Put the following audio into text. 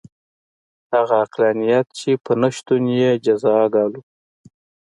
همغه عقلانیت چې په نه شتون یې جزا ګالو.